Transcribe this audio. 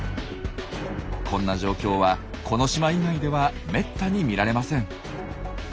こんな状況はこの島以外ではめったに見られません。